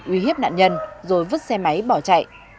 uy hiếp nạn nhân rồi vứt xe máy bỏ chạy